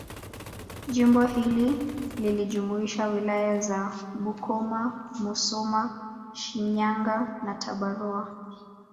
Jimbo hili lilijumuisha Wilaya za Bukoba Musoma Shinyanga na Tabora